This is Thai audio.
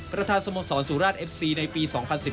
ประธานสโมสรสุราชเอฟซีในปี๒๐๑๙